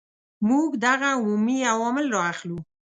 موږ دغه عمومي عوامل را اخلو.